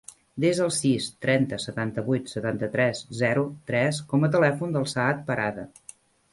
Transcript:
Desa el sis, trenta, setanta-vuit, setanta-tres, zero, tres com a telèfon del Saad Parada.